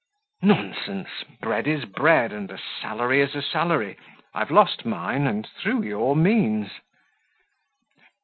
"Nonsense! bread is bread, and a salary is a salary. I've lost mine, and through your means."